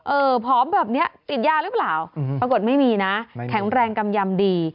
ผอมแบบนี้ติดยาหรือเปล่าปรากฏไม่มีนะแข็งแรงกำยำดี